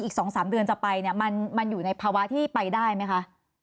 อีก๒๓เดือนจะไปเนี่ยมันอยู่ในภาวะที่ไปได้ไหมคะ